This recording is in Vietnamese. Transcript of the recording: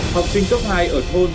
học sinh cấp hai ở thôn